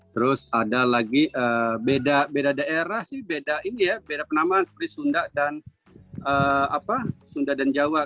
terus ada lagi beda daerah beda penamaan seperti sunda dan jawa